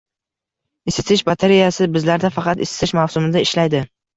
Isitish batareyasi bizlarda faqat isitish mavsumida ishlaydi.